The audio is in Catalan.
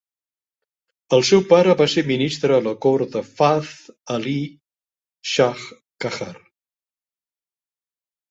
El seu pare va ser ministre a la cort de Fath-Ali Shah Qajar.